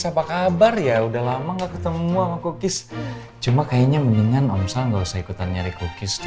cukup besar ya udah lama gak ketemu ama kukis cuman kayaknya mendingan omsal gak usah ikutan nyari kukis